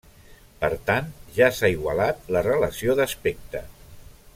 Per tant, ja s’ha igualat la relació d'aspecte.